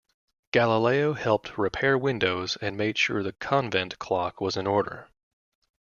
Galileo helped repair windows and made sure the convent clock was in order.